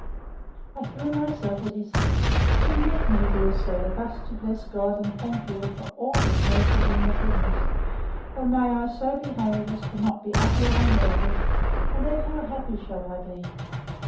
I threw myself at his feet: Permit me, dear sir, thus to bless God, and thank you, for all his mercies and your goodness. O may I so behave, as not to be utterly unworthy; and then how happy shall I be!